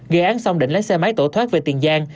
gây án xong định lấy xe máy tổ thoát về tiền giang